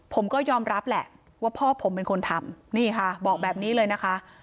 ผมก็ยอมรับแหละว่าพ่อผมเป็นคนทำนี่ค่ะบอกแบบนี้เลยนะคะ